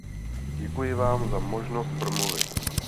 Děkuji vám za možnost promluvit.